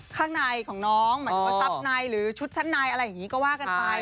ข้างในของน้องหมายถึงว่าทรัพย์ในหรือชุดชั้นในอะไรอย่างนี้ก็ว่ากันไป